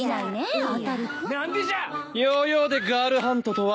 ヨーヨーでガールハントとは。